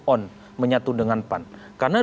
on menyatu dengan pan karena